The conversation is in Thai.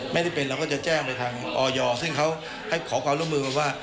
ไม่ได้เป็นเราก็จะแจ้งไปทางออยซึ่งเขาให้ขอความร่วมมือกันว่า